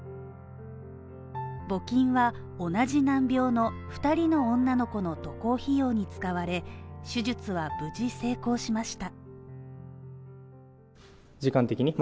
募金は同じ難病の２人の女の子の渡航費用に使われ、手術は無事成功しました。